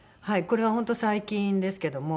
これは本当最近ですけども。